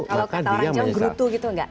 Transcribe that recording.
kalau kita orang jawa gerutu gitu enggak